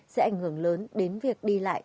sẽ ảnh hưởng lớn đến việc đi lại